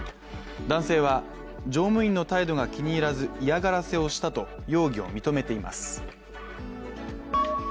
男性は乗務員の態度が気に入らず嫌がらせをしたと容疑を認めています。